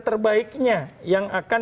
terbaiknya yang akan